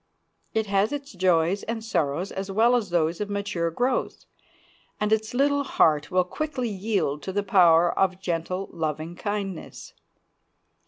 It has its joys and sorrows as well as those of mature growth, and its little heart will quickly yield to the power of gentle, loving kindness.